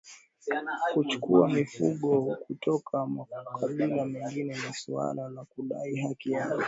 kuchukua mifugo kutoka makabila mengine ni suala la kudai haki yao